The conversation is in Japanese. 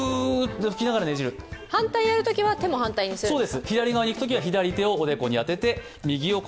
反対やるときは手も反対にするんですか。